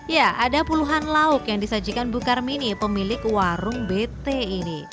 ya ada puluhan lauk yang disajikan bukar mini pemilik warung bt ini